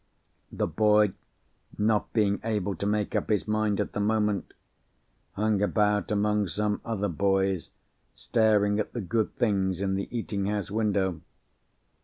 The boy—not being able to make up his mind, at the moment—hung about among some other boys, staring at the good things in the eating house window.